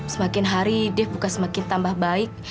semakin hari dev bukan semakin tambah baik